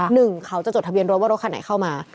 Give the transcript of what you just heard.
หนึ่งเขาจะจดทะเบียนรถว่ารถคันไหนเข้ามา